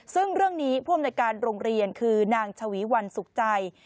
ซึ่งเรื่องนี้ผู้อำนวยการโรงเรียนคือนางชวีวันสุขใจ